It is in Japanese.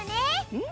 うん！